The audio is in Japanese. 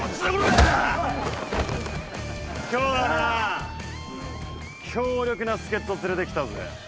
今日はな強力な助っ人連れてきたぜ。